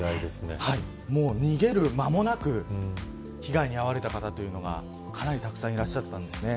逃げる間もなく被害に遭われた方というのがかなりたくさんいらっしゃったんですね。